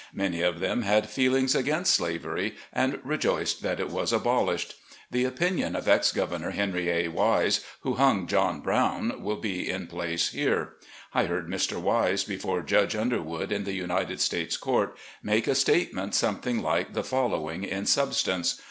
Many of them had feelings against slavery, and rejoiced that it was abolished. The opinion of Ex Governor Henry A. Wise, who hung John Brown, will be in place here. I heard Mr. Wise, before Judge Underwood, in the United States Court, make a statement something like the following in substance.